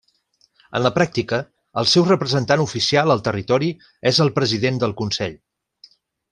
En la pràctica, el seu representant oficial al territori és el president del Consell.